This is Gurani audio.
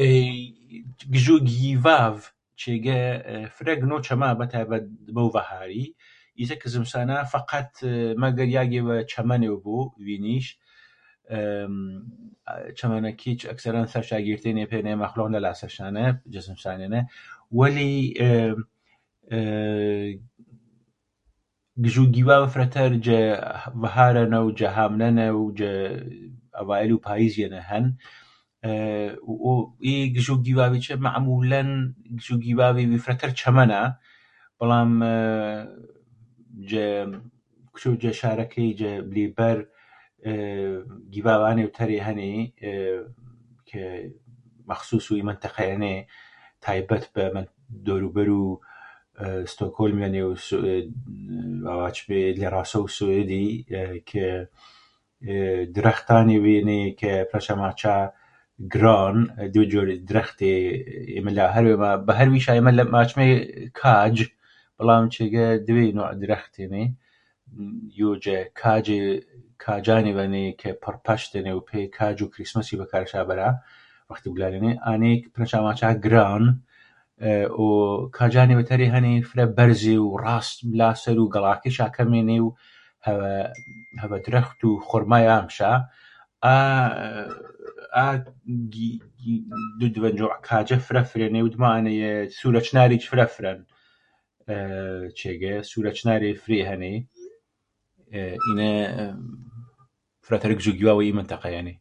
ئەی گژوو گیاڤڤ چێگە فرە گنۆ ڤەروو چەما بە تایبەت دمەو ڤەهاری ئیسە کە زمسانا مەگەر فەقەت یاگێڤەچەمەنێڤ بۆ ڤینیش، ئێێێ چەمەنەکێچ ئەکسەرەن سەرشا گێرتێنێ پەی ئینەیە مەخلۆق نەلا سەرشانە جە زمسانێنە وەلی ئێ ئێێێ گژووگیڤاڤ فرەتەر جە ڤەهارەنە و جە هامنەنە و جە ئەڤایێلوو پاییزیەنە هەن و ئی گژووگیڤاڤیجە مەعموولەن گژووگیڤاڤێڤی فرەتەر چەمەنا بەڵام کوچێڤ جە شارەکەی بلی بەر ئێ ئێێێ گیڤاڤانێڤ تەرێ هەنێ ئێ کە ئێ مەخسوسسو ئی مەنتەقەیەنێ تایبەت بە دەورووبەروو ستۆکهۆلمیەنێ و با ڤاچمێ دلێڕاسەو سوێدی ئە ئە کە درەختایڤێنێ کە ئەئە پنەشە ماچا گرۆن دڤێ جۆرێ درەختە ئێمە هەرڤیما ئەئە بە هەرڤیشا ماچمێ کاج بەڵام چێگە دڤێ نۆحێ درەختێنێ کاجانێڤەنێ کە پڕ پەشتێنێ و پەی درەختوو کریسمەسی بەکارشا بەرا وەختێڤ گولالێنێ ئانێنێ کە پنەشا ماچا گرۆن وە کاجانێڤ تەرێ هەنێ کە فرە بەرزێنێ و ملا سەر و گەڵاکیشا کەمێنێ و هەڤە درەختوو خۆرماڤا مشا ئا گی گی دڤە جۆر کاجە فرە فرێنێ و دمەو ئانەیە سوورەچناریچ فرە فرەن ئێ ئێ سوورەچنارێ فرێ هەنێ ئینە ئێ فرەتر گژووگیڤاڤوو ئی مەنتەقەیەنێ